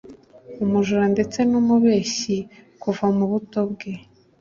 umujura ndetse n’umubeshyi kuva mu buto bwe